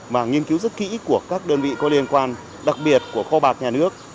mà nghiên cứu rất kỹ của các đơn vị có liên quan đặc biệt của kho bạc nhà nước